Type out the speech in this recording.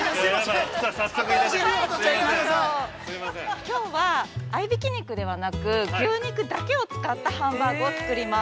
◆きょうは、合いびき肉ではなく、牛肉だけを使ったハンバーグをつくります。